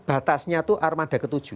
batasnya itu armada ke tujuh